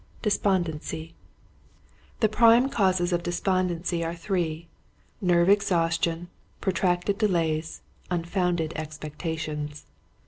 Despondency, The prime causes of despondency are three, nerve exhaustion, protracted delays, unfounded expectations.